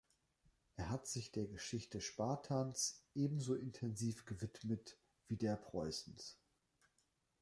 Er hat sich der Geschichte Spartas ebenso intensiv gewidmet wie der Preußens.